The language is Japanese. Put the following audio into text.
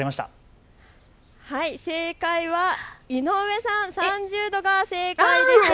正解は井上さん、３０度が正解です。